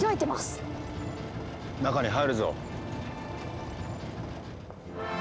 中に入るぞ！